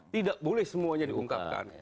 tidak boleh semuanya diungkapkan